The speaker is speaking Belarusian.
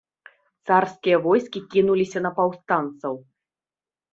Царскія войскі кінуліся на паўстанцаў.